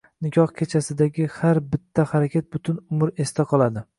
Nikoh kechasidagi har bitta harakat butun umr esda qoladi.